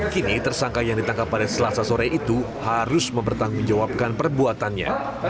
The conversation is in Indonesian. kini tersangka yang ditangkap pada selasa sore itu harus mempertanggungjawabkan perbuatannya